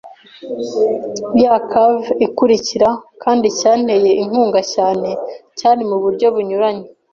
ya cove ikurikira; kandi icyanteye inkunga cyane, cyari muburyo bunyuranye